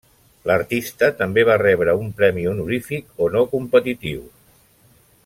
L'artista també va rebre un premi honorífic o no competitiu.